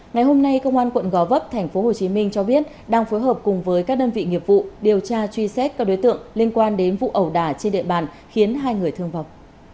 ngày hôm nay công an quận gò vấp tp hcm cho biết đang phối hợp cùng với các đơn vị nghiệp vụ điều tra truy xét các đối tượng liên quan đến vụ ẩu đả trên địa bàn khiến hai người thương vọng